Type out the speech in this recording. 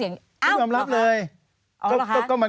ไม่ต้องเลยเขายอมรับเลย